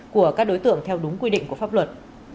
của các đối tượng theo đúng quy định của pháp luật